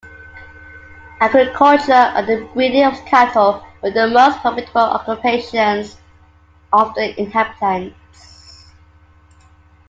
Agriculture and the breeding of cattle were the most profitable occupations of the inhabitants.